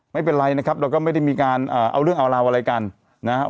ไม่เป็นไรเราก็ไม่ได้มีการเอาเรื่องเอาลาวอะไรกัน